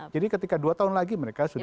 jadi ketika dua tahun lagi mereka sudah